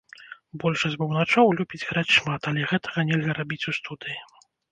Большасць бубначоў любіць граць шмат, але гэтага нельга рабіць у студыі.